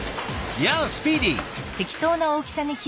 いやスピーディー！